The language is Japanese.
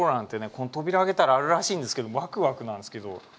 この扉開けたらあるらしいんですけどわくわくなんですけど。